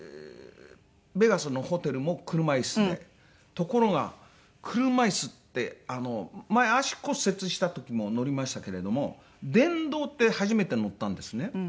ところが車椅子って前足骨折した時も乗りましたけれども電動って初めて乗ったんですね。